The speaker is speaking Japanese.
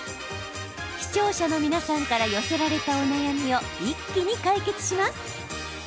視聴者の皆さんから寄せられたお悩みを一気に解決します。